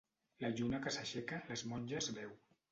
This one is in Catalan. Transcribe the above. La lluna que s'aixeca, les monges veu.